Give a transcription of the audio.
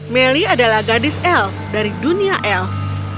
melly adalah gadis el dari dunia elf